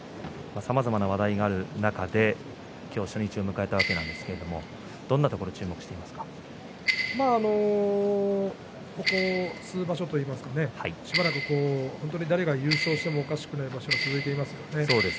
さまざまな話題がある中で今日、初日を迎えたわけなんですけれどもここ数場所といいますかねしばらく本当に誰が優勝してもおかしくない場所が続いていますよね。